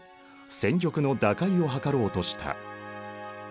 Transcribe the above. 戦局の打開を図ろうとした。